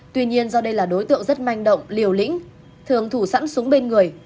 tuy nhiên do đây là đối tượng rất manh động liều lĩnh thường thủ sẵn xuống bên người